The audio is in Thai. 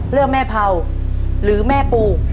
เรื่องแม่เผาหรือแม่ปู